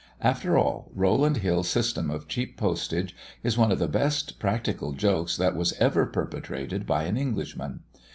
After all, Rowland Hill's system of cheap postage is one of the best practical jokes that was ever perpetrated by an Englishman.